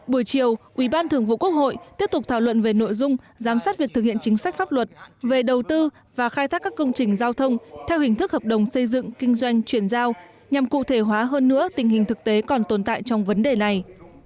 buổi chiều ubth tiếp tục thảo luận về nội dung giám sát việc thực hiện chính sách pháp luật về đầu tư và khai thác các công trình giao thông theo hình thức hợp đồng xây dựng kinh doanh chuyển giao nhằm cụ thể hóa hơn nữa tình hình thực tế còn tồn tại trong vấn đề này